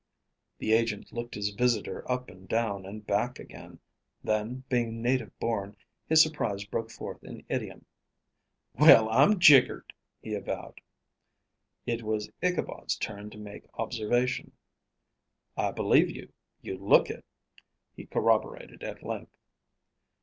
The agent looked his visitor up and down and back again; then, being native born, his surprise broke forth in idiom. "Well, I'm jiggered!" he avowed. It was Ichabod's turn to make observation. "I believe you; you look it," he corroborated at length.